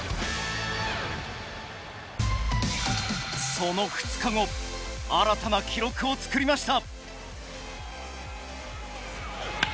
その２日後新たな記録を作りました。